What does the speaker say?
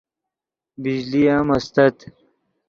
بجلی ام استت